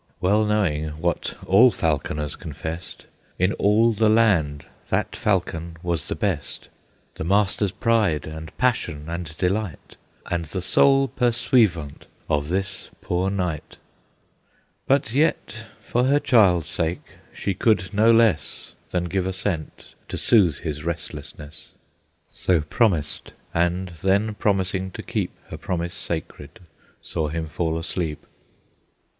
Well knowing, what all falconers confessed, In all the land that falcon was the best, The master's pride and passion and delight, And the sole pursuivant of this poor knight. But yet, for her child's sake, she could no less Than give assent, to soothe his restlessness, So promised, and then promising to keep Her promise sacred, saw him fall asleep.